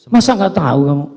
masa gak tau kamu